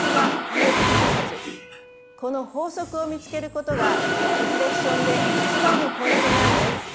この法則を見つけることがリフレクションで一番のポイントなんです。